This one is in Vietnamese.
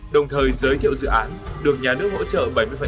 đồng thời giới thiệu dự án được nhà nước hỗ trợ bảy mươi